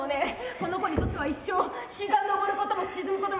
この子にとっては一生日が昇ることも沈むこともない。